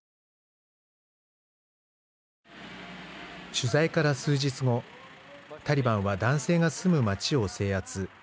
取材から数日後タリバンは男性が住む町を制圧。